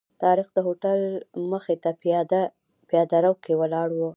طارق د هوټل مخې ته په پیاده رو کې ولاړ و.